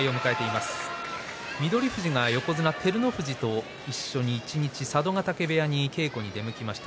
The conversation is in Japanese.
富士が横綱照ノ富士と一緒に一日佐渡ヶ嶽部屋に稽古に出向きました。